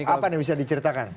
apa yang bisa diceritakan